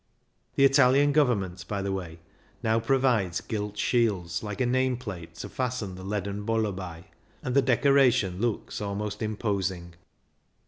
The Italian Gov ernment, by the way, now provides gilt shields, like a name plate, to fasten the leaden bolla by, and the decoration looks almost imposing.